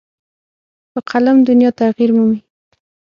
په قلم دنیا تغیر مومي.